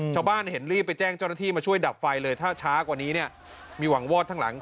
ชาวบ้านเห็นรีบไปแจ้งเจ้าหน้าที่มาช่วยดับไฟเลยถ้าช้ากว่านี้เนี่ยมีหวังวอดทั้งหลัง